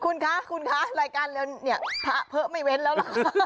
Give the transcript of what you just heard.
คุณคะคุณคะรายการแล้วเนี่ยพระเผิดไม่เว้นแล้วเหรอ